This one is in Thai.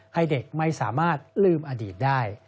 ให้เด็กไม่สามารถลืมอดีตได้